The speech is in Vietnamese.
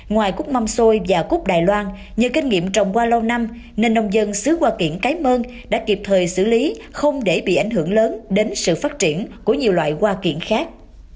ngoài cút mâm xôi và cúp đài loan nhờ kinh nghiệm trồng qua lâu năm nên nông dân xứ hoa kiển cái mơn đã kịp thời xử lý không để bị ảnh hưởng lớn đến sự phát triển của nhiều loại hoa kiển khác